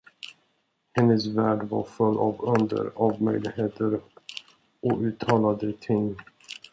Hennes värld var full av under, av möjligheter, outtalade ting.